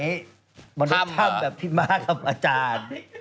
มนุษย์ทำแบบพี่มาร์ททำอาจารย์